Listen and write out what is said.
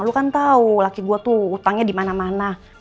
lu kan tahu laki gue tuh utangnya di mana mana